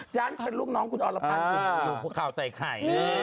จ๊ะลุคน้องคุณอรภารคุณข่าวใส่ไข่